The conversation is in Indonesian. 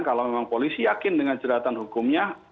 kalau memang polisi yakin dengan jeratan hukumnya